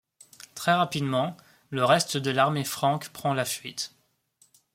Très rapidement, le reste de l'armée franque prend la fuite.